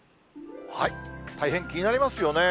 大変気になりますよね。